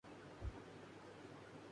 میری شادی کو تیسرا سال چل رہا ہے